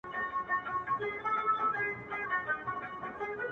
• ورځو کډه کړې ده اسمان ګوري کاږه ورته,